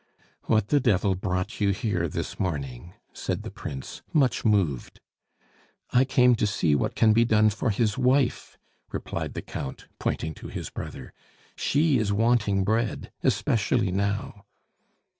"What the devil brought you here this morning?" said the Prince, much moved. "I came to see what can be done for his wife," replied the Count, pointing to his brother. "She is wanting bread especially now!"